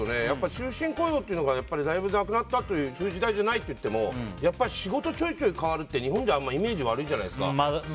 終身雇用っていうのがだいぶなくなったそういう時代じゃないといっても仕事、ちょいちょい変わるって日本ではイメージ悪いじゃないですか。